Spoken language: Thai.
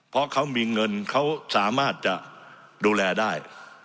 เพราะเขามีเงินเขาสามารถจะดูแลได้